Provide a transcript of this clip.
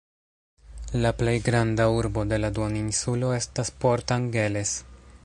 La plej granda urbo de la duoninsulo estas Port Angeles.